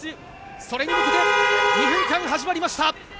それに向けて２分間始まりました。